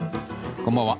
こんばんは。